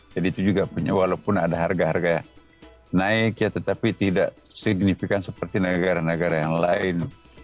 jadi itu juga punya walaupun ada harga harga naik ya tetapi tidak signifikan seperti negara negara yang lain